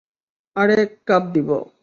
আরেক কাপ দিবো?